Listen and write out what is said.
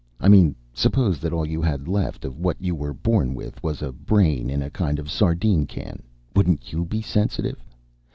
I mean suppose that all you had left of what you were born with was a brain in a kind of sardine can, wouldn't you be sensitive?